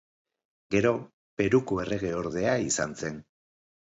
Gero Peruko erregeordea izan zen.